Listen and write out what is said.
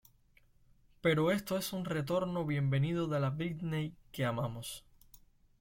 Pero esto es un retorno bienvenido de la Britney que amamos.